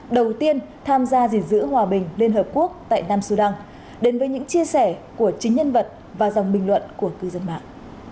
đầu tiên tham gia gìn giữ hòa bình liên hợp quốc tại nam sudan đến với những chia sẻ của chính nhân vật và dòng bình luận của cư dân mạng